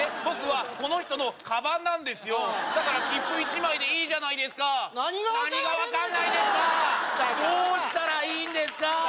僕はこの人のカバンなんですよだから切符１枚でいいじゃないですか何が分からへんねんそれの何が分かんないんですか？